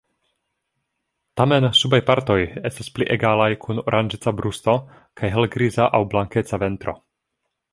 Tamen subaj partoj estas pli egalaj kun oranĝeca brusto kaj helgriza aŭ blankeca ventro.